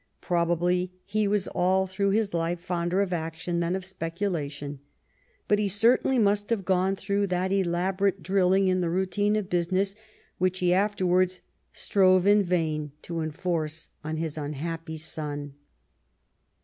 Probably he was all through his life fonder of action than of speculation. But he certainly must have gone through that elaborate drilling in the routine of business which he afterAvards strove in vain to enforce on his unhappy son.